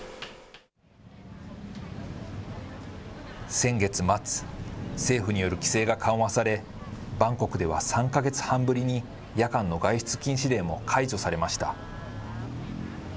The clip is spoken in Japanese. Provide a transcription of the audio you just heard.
先月末、政府による規制が緩和され、バンコクでは３か月半ぶりに夜間の外出禁止令も解除されました。